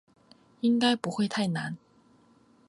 应该不会太难